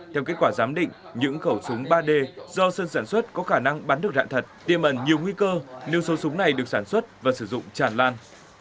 theo kết quả giám định những khẩu súng ba d do sơn sản xuất có khả năng bắn được rạn thật tiêm ẩn nhiều nguy cơ nếu số súng này được sản xuất và sử dụng tràn lan